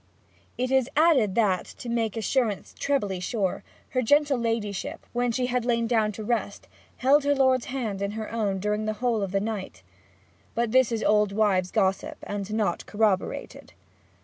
It is added that, to make assurance trebly sure, her gentle ladyship, when she had lain down to rest, held her lord's hand in her own during the whole of the night. But this is old wives' gossip, and not corroborated.